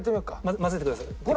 交ぜてください。